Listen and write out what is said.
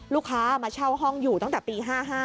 ลูกค้ามาเช่าห้องอยู่ตั้งแต่ปี๕๕